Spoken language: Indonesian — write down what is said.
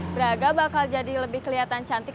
braga bakal jadi lebih kelihatan cantik